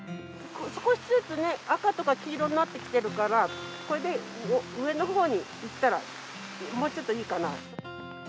少しずつね、赤とか黄色になってきてるから、これで上のほうに行ったら、もうちょっといいかな。